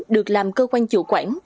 được làm cơ quan chủ quản